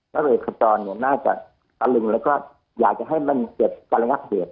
นักเรียกขับจอลเนี้ยน่าจะตะลึงแล้วก็อยากจะให้มันเก็บการยักษ์เหตุ